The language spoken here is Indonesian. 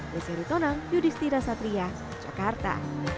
desiritonang yudhistira satria jakarta